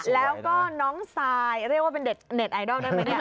แล้วก็น้องซายเรียกว่าเป็นเน็ตไอดอลได้ไหมเนี่ย